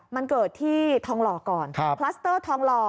มันเกิดที่ทองหล่อก่อนคลัสเตอร์ทองหล่อ